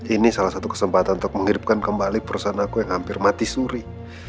ini salah satu kesempatan untuk menghidupkan kembali perusahaan aku yang hampir mati suri